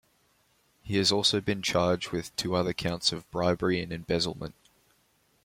He has also been charged with two other counts of bribery and embezzlement.